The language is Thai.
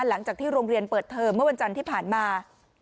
หลังจากที่โรงเรียนเปิดเทอมเมื่อวันจันทร์ที่ผ่านมา